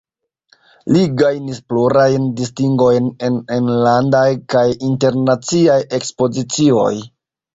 Li gajnis plurajn distingojn en enlandaj kaj internaciaj ekspozicioj.